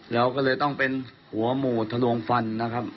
เราก็เลยต้องเป็นหัวหมู่ทะลวงฟันนะครับ